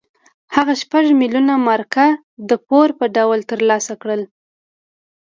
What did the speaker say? هغه شپږ میلیونه مارکه د پور په ډول ترلاسه کړل.